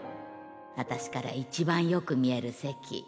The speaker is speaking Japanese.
私からいちばんよく見える席。